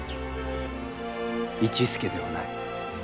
市助ではない。